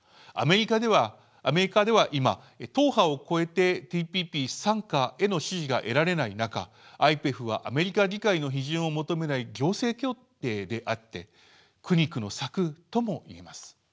アメリカでは今党派を超えてＴＰＰ参加への支持が得られない中ＩＰＥＦはアメリカ議会の批准を求めない行政協定であって苦肉の策とも言えます。